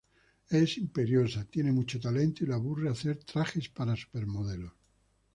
Es imperiosa, tiene mucho talento, y le aburre hacer trajes para supermodelos.